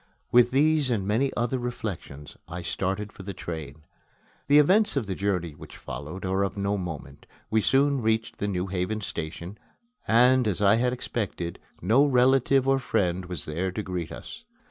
With these and many other reflections I started for the train. The events of the journey which followed are of no moment. We soon reached the New Haven station; and, as I had expected, no relative or friend was there to greet us.